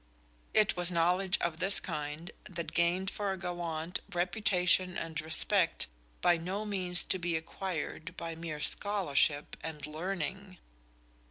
It was knowledge of this kind that gained for a gallant reputation and respect by no means to be acquired by mere scholarship and learning.